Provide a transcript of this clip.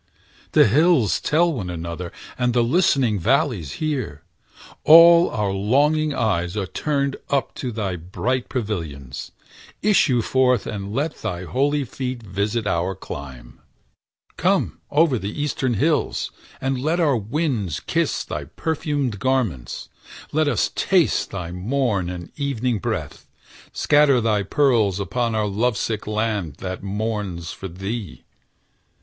The hills tell one another, and the listening Valleys hear; all our longing eyes are turned Up to thy bright pavilions: issue forth And let thy holy feet visit our clime! Come o'er the eastern hills, and let our winds Kiss thy perfumed garments; let us taste Thy morn and evening breath; scatter thy pearls Upon our lovesick land that mourns for thee.